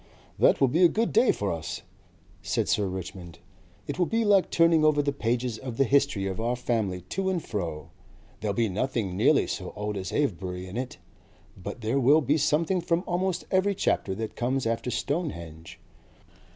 "That will be a good day for us," said Sir Richmond. "It will be like turning over the pages of the history of our family, to and fro. There will be nothing nearly so old as Avebury in it, but there will be something from almost every chapter that comes after Stonehenge.